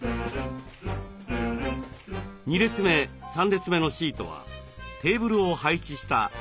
２列目３列目のシートはテーブルを配置したリビングスペース。